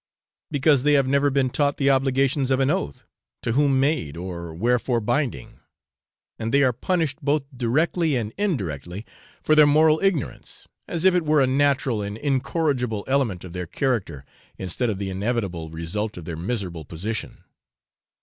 because they have never been taught the obligations of an oath, to whom made, or wherefore binding; and they are punished both directly and indirectly for their moral ignorance, as if it were a natural and incorrigible element of their character, instead of the inevitable result of their miserable position.